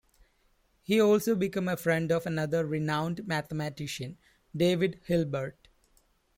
He also became a friend of another renowned mathematician, David Hilbert.